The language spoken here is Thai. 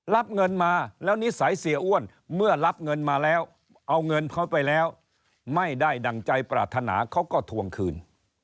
รับเงินมาแล้วนิสัยเสียอ้วนเมื่อรับเงินมาแล้วเอาเงินเขาไปแล้วไม่ได้ดั่งใจปรารถนาเขาก็ทวงคืน